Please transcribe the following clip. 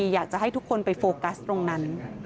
อยากจะให้ทุกคนไปโฟกัสตรงนั้น